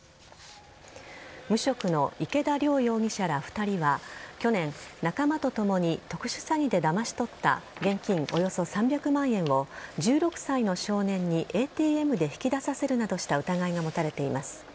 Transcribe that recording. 無職の池田稜容疑者ら２人は去年、仲間とともに特殊詐欺でだまし取った現金およそ３００万円を１６歳の少年にＡＴＭで引き出させるなどした疑いが持たれています。